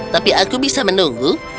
tapi aku bisa menunggu